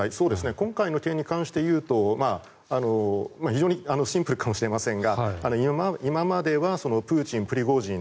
今回の件に関していうと非常にシンプルかもしれませんが今まではプーチン、プリゴジン